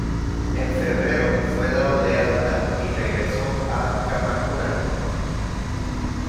En febrero, fue dado de alta y regresó a Kamakura.